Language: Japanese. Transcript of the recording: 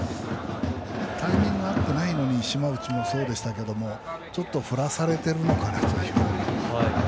タイミングが合っていないのに島内もそうでしたけどちょっと振らされているのかなという。